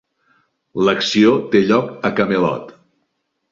L'acció té lloc a Camelot.